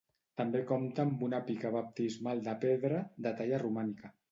També compta amb una pica baptismal de pedra, de talla romànica.